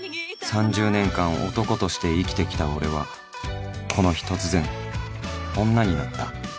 ［３０年間男として生きてきた俺はこの日突然女になった］